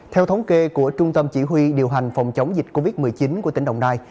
theo thống kê của trung tâm chỉ huy điều hành phòng chống dịch covid một mươi chín của tỉnh đồng nai